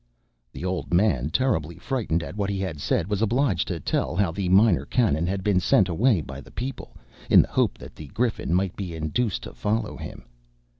The old man, terribly frightened at what he had said, was obliged to tell how the Minor Canon had been sent away by the people, in the hope that the Griffin might be induced to follow him.